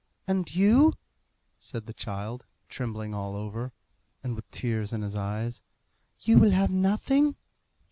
"And you?" said the child, trembling all over, and with tears in his eyes. "You will have nothing!"